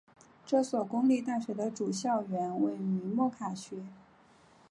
这所公立大学的主校园位于莫卡区。